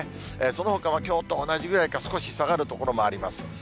そのほかはきょうと同じぐらいか、少し下がる所もあります。